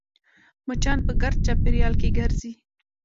مچان په ګرد چاپېریال کې ګرځي